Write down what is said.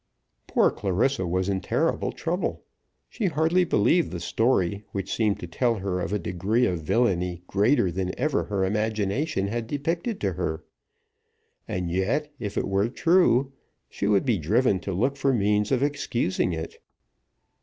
Poor Clarissa was in terrible trouble. She hardly believed the story, which seemed to tell her of a degree of villany greater than ever her imagination had depicted to her; and yet, if it were true, she would be driven to look for means of excusing it.